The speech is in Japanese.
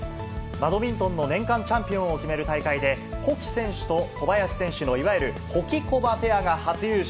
バドミントンの年間チャンピオンを決める大会で、保木選手と小林選手のいわゆるホキコバペアが初優勝。